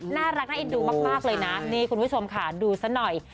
น่ารักน่าเอ็นดูมากเลยนะนี่คุณผู้ชมค่ะดูซะหน่อย